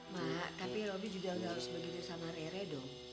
mak tapi robby juga udah harus begitu sama rere dong